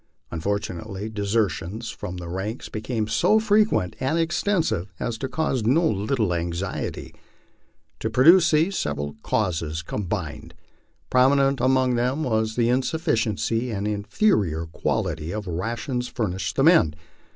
Unfortunately, desertions from the ranks became so frequent and extensive as to cause no little anxiety. To produce these, several causes combined. Prominent among them was the insufficiency and inferior quality of the rations furnished the men.